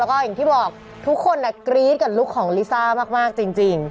แล้วก็อย่างที่บอกทุกคนกรี๊ดกับลุคของลิซ่ามากจริง